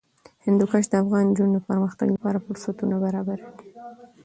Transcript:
هندوکش د افغان نجونو د پرمختګ لپاره فرصتونه برابروي.